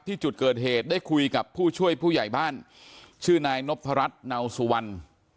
ที่จุดเกิดเหตุได้คุยกับผู้ช่วยผู้ใหญ่บ้านชื่อนายนพรัชเนาสุวรรณ